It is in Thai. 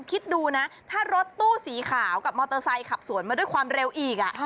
คิดดูนะถ้ารถตู้สีขาวกับมอเตอร์ไซค์ขับสวนมาด้วยความเร็วอีก